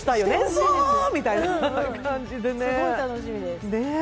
「そう！」みたいな感じでねすごい楽しみですねえ